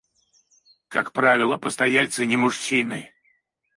Как правило, постояльцы не мужчины.